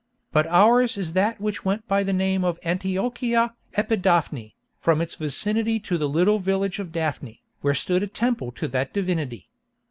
But ours is that which went by the name of Antiochia Epidaphne, from its vicinity to the little village of Daphne, where stood a temple to that divinity.